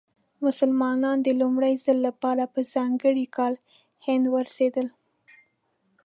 مسلمانان د لومړي ځل لپاره په ځانګړي کال هند ورسېدل.